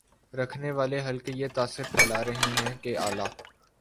رکھنے والے حلقے یہ تاثر پھیلا رہے ہیں کہ اعلی